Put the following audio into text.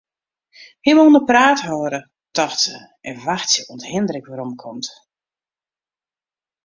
Him oan 'e praat hâlde, tocht se, en wachtsje oant Hindrik weromkomt.